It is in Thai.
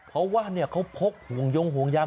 เพราะว่าเขาพกห่วงยงห่วงยาง